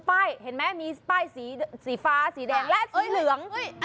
เห็นไหมมีป้ายสีฟ้าสีแดงและสีเหลือง